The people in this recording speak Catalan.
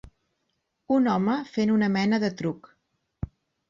Un home fent una mena de truc.